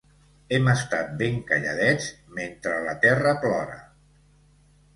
Hem estat ben calladets mentre la terra plora.